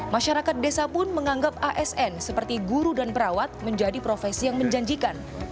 masyarakat desa pun menganggap asn seperti guru dan perawat menjadi profesi yang menjanjikan